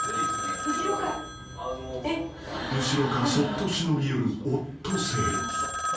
［後ろからそっと忍び寄るオットセイ］